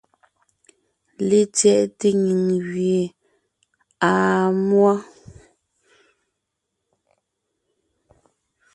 LetsyɛꞋte nyìŋ gẅie àa múɔ.